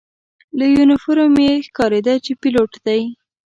له یونیفورم یې ښکارېده چې پیلوټ دی.